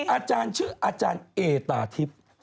อาจารย์ชื่ออาจารย์เอตาทิพย์